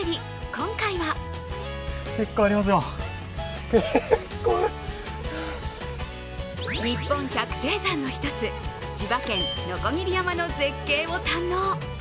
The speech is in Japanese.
今回は日本百低山の一つ千葉県・鋸山の絶景を堪能。